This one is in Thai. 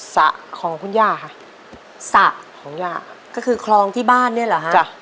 สระของคุณย่าค่ะสระของย่าก็คือคลองที่บ้านเนี่ยเหรอฮะจ้ะ